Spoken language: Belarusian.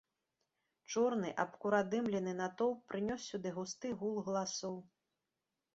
Чорны абкуродымлены натоўп прынёс сюды густы гул галасоў.